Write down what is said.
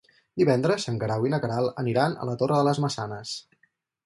Divendres en Guerau i na Queralt aniran a la Torre de les Maçanes.